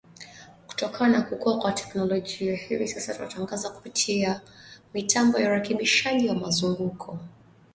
kutokana na kukua kwa teknolojia hivi sasa tunatangaza kupitia mitambo ya urekebishaji wa mzunguko kupitia redio zetu shirika za kanda ya Afrika Mashariki na Kati.